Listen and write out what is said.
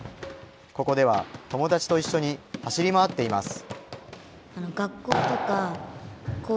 ここでは友達と一緒に走り回っています。